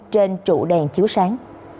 trên trụ đèn chiếu sáng